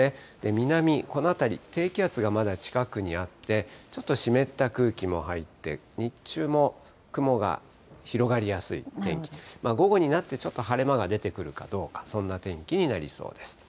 南、この辺り、低気圧がまだ近くにあって、ちょっと湿った空気も入って、日中も雲が広がりやすい天気で、午後になってちょっと晴れ間が出てくるかどうか、そんな天気になりそうです。